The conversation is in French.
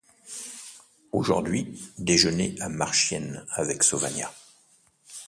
Aujourd'hui, déjeuner à Marchiennes, avec Sauvagnat.